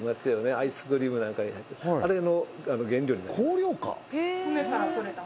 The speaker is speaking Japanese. アイスクリームなんかに入ってるあれの原料になります